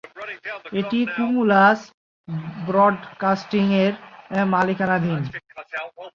এটি Cumulus broadcasting এর মালিকানাধীন।